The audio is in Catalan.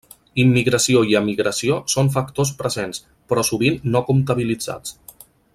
Immigració i emigració són factors presents, però sovint no comptabilitzats.